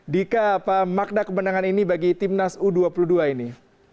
dika apa makna kemenangan ini bagi timnas u dua puluh dua ini